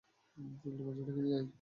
জলদি, বাচ্চাটাকে নিয়ে যাও।